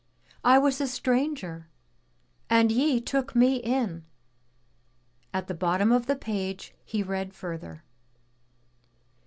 I was a stranger and ye took Me in." At the bottom of the page he read further.